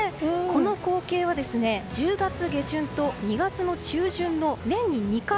この光景は１０月下旬と２月の中旬の年に２回